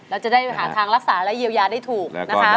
แล้วจะได้หาทางรักษาและเยียวยาได้ถูกนะคะ